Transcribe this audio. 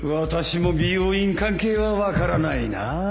私も美容院関係は分からないな